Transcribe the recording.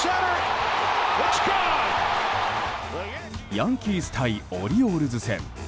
ヤンキース対オリオールズ戦。